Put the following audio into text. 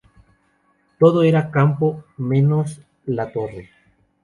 Todo era campo, menos "La Torre".